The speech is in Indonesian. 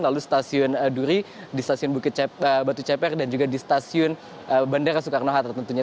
lalu stasiun duri di stasiun batu ceper dan juga di stasiun bandara soekarno hatta tentunya